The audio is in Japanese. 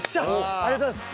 ありがとうございます。